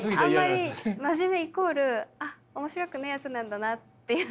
あんまり真面目イコールあっ面白くねえやつなんだなっていうのに。